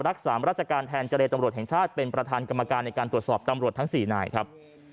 รักษาราชการแทนเจรตำรวจแห่งชาติเป็นประธานกรรมการในการตรวจสอบตำรวจทั้ง๔นายครับ